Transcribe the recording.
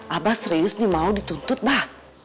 abah serius nih mau dituntut bah